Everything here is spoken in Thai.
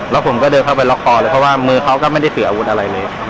แล้วผมก็เดินเข้าไปล็อกคอเลยเพราะว่ามือเขาก็ไม่ได้ถืออาวุธอะไรเลย